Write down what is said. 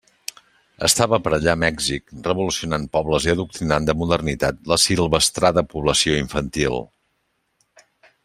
Estava per allà Mèxic revolucionant pobles i adoctrinant de modernitat l'assilvestrada població infantil.